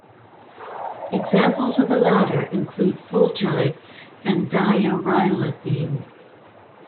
Examples of the latter include fulgide and diarylethene.